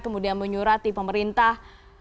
kemudian menyurati pemerintah